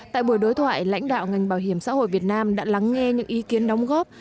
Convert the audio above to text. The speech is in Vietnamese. tại buổi đối thoại lãnh đạo ngành bảo hiểm xã hội việt nam đã lắng nghe những ý kiến đóng góp